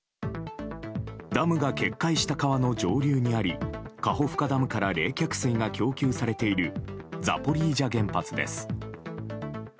ダムが決壊した川の上流にありカホフカダムから冷却水が供給されているザポリージャ原発です。